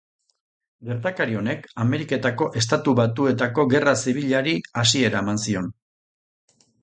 Gertakari honek Ameriketako Estatu Batuetako Gerra Zibilari hasiera eman zion.